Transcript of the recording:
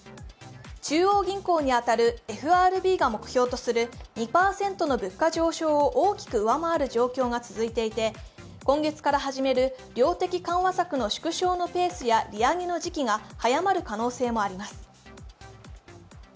中央銀行に当たるＦＲＢが目標とする２％の物価上昇を大きく上回る状況が続いていて今月から始める量的緩和策の縮小のペースや利上げの時期が早まる可能性もあります。